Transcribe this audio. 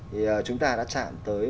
thì chúng ta đã chạm tới